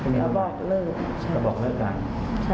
แล้วบอกเลิก